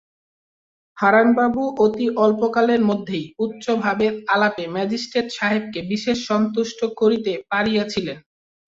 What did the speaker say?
হারানবাবু অতি অল্পকালের মধ্যেই উচ্চভাবের আলাপে ম্যাজিস্ট্রেট সাহেবকে বিশেষ সন্তুষ্ট করিতে পারিয়াছিলেন।